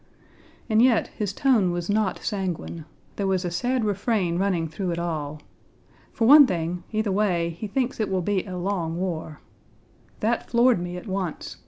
And yet his tone was not sanguine. There was a sad refrain running through it all. For one thing, either way, he thinks it will be a long war. That floored me at once.